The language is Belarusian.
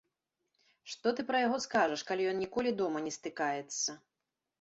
Што ты пра яго скажаш, калі ён ніколі дома не стыкаецца.